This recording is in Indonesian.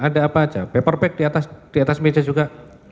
ada apa aja paper bag di atas meja juga